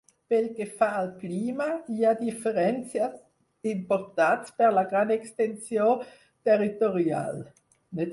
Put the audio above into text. Pel que fa al clima, hi ha diferències importats per la gran extensió territorial.